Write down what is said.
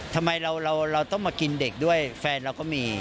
ทำไมเราต้องมากินเด็กด้วยแฟนเราก็มี